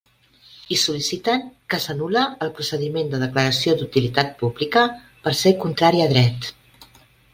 I sol·liciten que s'anul·le el procediment de declaració d'utilitat pública per ser contrari a dret.